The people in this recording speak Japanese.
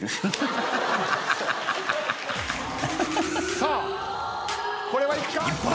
さあこれはいくか⁉一本！